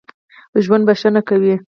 ژوندي بښنه کوي